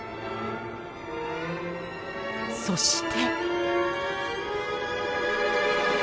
そして。